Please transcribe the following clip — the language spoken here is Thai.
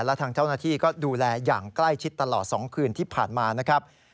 และทางเจ้าหน้าที่ก็ดูแลอย่างใกล้ชิดตลอด๒คืนที่ผ่านมานะครับ